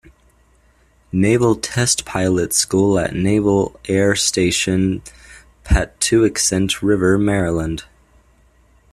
Naval Test Pilot School at Naval Air Station Patuxent River, Maryland.